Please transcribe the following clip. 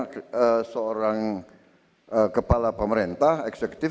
karena seorang kepala pemerintah eksekutif